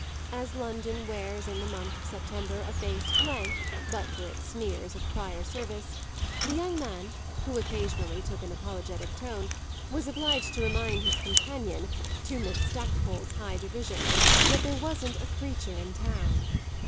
As London wears in the month of September a face blank but for its smears of prior service, the young man, who occasionally took an apologetic tone, was obliged to remind his companion, to Miss Stackpole's high derision, that there wasn't a creature in town.